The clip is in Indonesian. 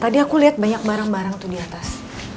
tadi aku lihat banyak barang barang tuh di atas